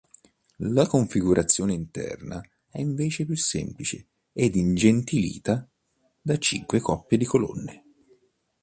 La configurazione interna è invece più semplice ed ingentilita da cinque coppie di colonne.